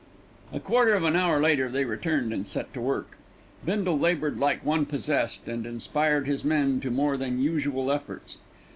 A quarter of an hour later they returned and set to work. Bindle laboured like one possessed, and inspired his men to more than usual efforts.